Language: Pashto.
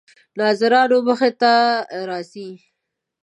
ناظرانو مخې ته راځي.